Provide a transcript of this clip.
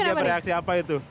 dia berreaksi apa itu